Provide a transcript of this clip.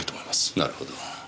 なるほど。